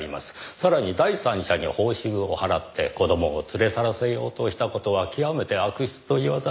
さらに第三者に報酬を払って子供を連れ去らせようとした事は極めて悪質と言わざるを得ません。